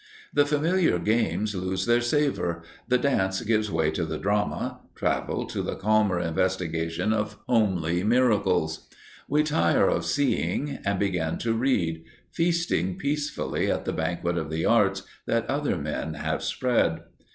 The familiar games lose their savour, the dance gives way to the drama, travel to the calmer investigation of homely miracles. We tire of seeing and begin to read, feasting peacefully at the banquet of the arts that other men have spread.